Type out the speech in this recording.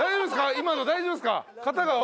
今の大丈夫ですか！？